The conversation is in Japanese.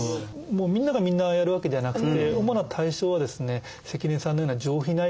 もうみんながみんなやるわけではなくて主な対象はですね関根さんのような上皮内